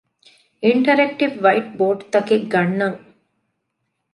އިންޓަރެކްޓިވް ވައިޓްބޯޑްތަކެއް ގަންނަން